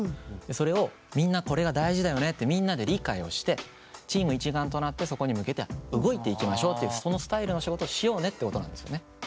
それをみんなこれが大事だよねってみんなで理解をしてチーム一丸となってそこに向けて動いていきましょうっていうそのスタイルの仕事をしようねってことなんですよね。